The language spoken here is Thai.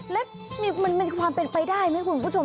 และมันเป็นไปได้ไหมคุณผู้ชม